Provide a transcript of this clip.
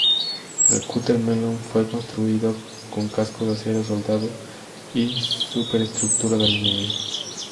El cutter "Mellon" fue construido con casco de acero soldado y superestructura de aluminio.